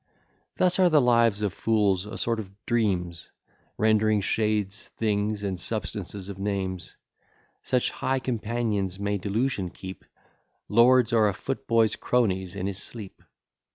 Thus are the lives of fools a sort of dreams, Rendering shades things, and substances of names; Such high companions may delusion keep, Lords are a footboy's cronies in his sleep.